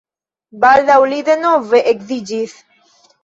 Baldaŭ li denove edziĝis.